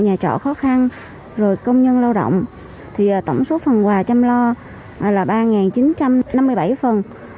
nhà trọ khó khăn rồi công nhân lao động thì tổng số phần quà chăm lo là ba chín trăm năm mươi bảy phần